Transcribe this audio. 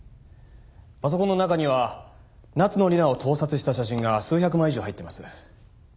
パソコンの中には夏野理奈を盗撮した写真が数百枚以上入っています。